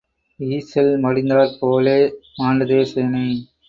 ஈசல் மடிந்தாற் போலே மாண்டதே சேனை.